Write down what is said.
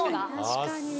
確かに。